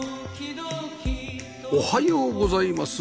おはようございます。